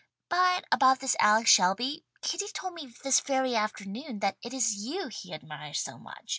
But about this Alex Shelby, Kitty told me this very afternoon that it is you he admires so much.